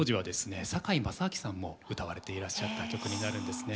堺正章さんも歌われていらっしゃった曲になるんですね。